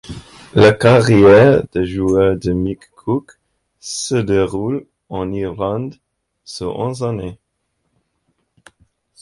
La carrière de joueur de Mick Cook se déroule en Irlande sur onze années.